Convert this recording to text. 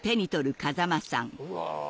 うわ！